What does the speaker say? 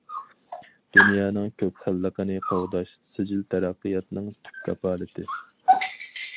دۇنيانىڭ كۆپ خىللىقىنى قوغداش— سىجىل تەرەققىياتنىڭ تۈپ كاپالىتى.